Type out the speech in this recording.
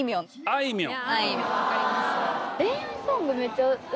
あいみょん。